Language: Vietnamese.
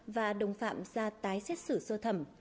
và đồng phạm ra tái xét xử sơ thẩm